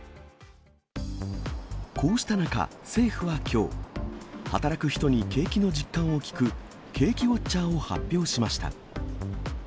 こうした中、政府はきょう、働く人に景気の実感を聞く、景気ウォッチャーを発表しました。